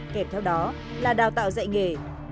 kéo theo đó là đào tạo dạy nghề